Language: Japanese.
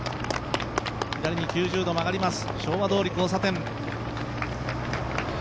左に９０度曲がります、昭和通り交差点。